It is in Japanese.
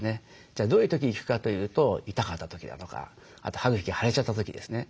じゃどういう時行くかというと痛かった時だとかあと歯茎が腫れちゃった時ですね。